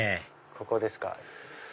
ここですか。